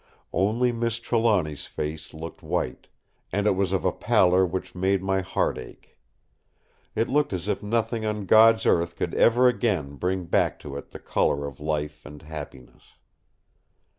Only Miss Trelawny's face looked white; and it was of a pallor which made my heart ache. It looked as if nothing on God's earth could ever again bring back to it the colour of life and happiness.